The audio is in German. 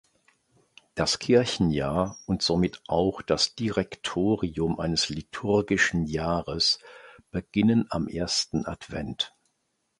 Das Kirchenjahr und somit auch das Direktorium eines liturgischen Jahres beginnen am ersten Advent.